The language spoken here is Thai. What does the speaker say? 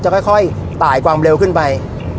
ค่อยตายความเร็วขึ้นไป